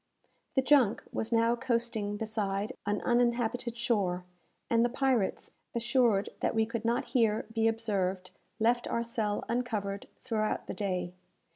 The junk was now coasting beside an uninhabited shore, and the pirates, assured that we could not here be observed, left our cell uncovered throughout the day.